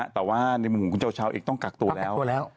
แต่ว่าในมุมของคุณเจ้าเช้าเองต้องกักตัวแล้ว